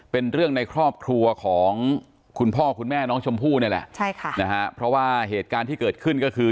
เป็นเรื่องในครอบครัวของคุณพ่อคุณแม่น้องชมพู่นี่แหละใช่ค่ะนะฮะเพราะว่าเหตุการณ์ที่เกิดขึ้นก็คือ